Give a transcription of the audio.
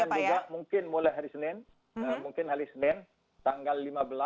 kemudian juga mungkin mulai hari senin tanggal lima belas enam belas